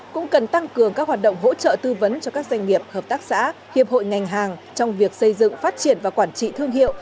cũng cần tăng cường các hoạt động hỗ trợ tư vấn cho các doanh nghiệp hợp tác xã hiệp hội ngành hàng trong việc xây dựng phát triển và quản trị thương hiệu